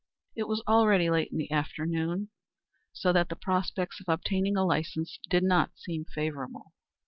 It was already late in the afternoon, so that the prospects of obtaining a license did not seem favorable.